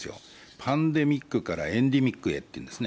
パンデミックからエンデミックへというんですね。